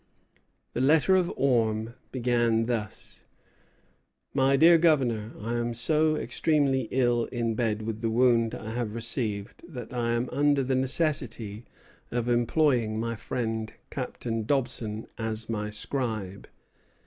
The letter of Orme began thus: "My dear Governor, I am so extremely ill in bed with the wound I have received that I am under the necessity of employing my friend Captain Dobson as my scribe."